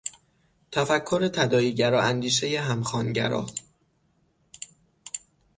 تفکر تداعی گرا، اندیشهی همخوانگرا